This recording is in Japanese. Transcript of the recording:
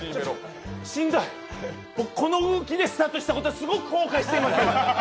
しんどい、僕、この動きでスタートしたこと、すごく後悔してます。